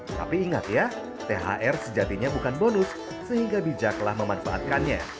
tapi ingat ya thr sejatinya bukan bonus sehingga bijaklah memanfaatkannya